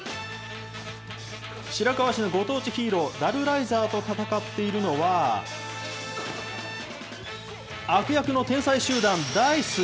白河市のご当地ヒーロー、ダルライザーと戦っているのは、悪役の天才集団ダイス。